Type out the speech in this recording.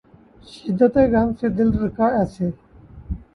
شدتِ غم سے دل رکا ایسے